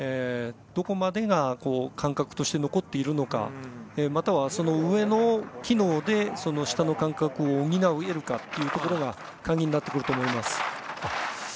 どこまでが感覚として残っているのかまたは、その上の機能で下の感覚を補えるかというところが鍵になると思います。